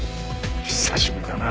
久しぶりだな！